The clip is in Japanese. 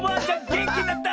げんきになった！